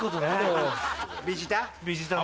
ビジター？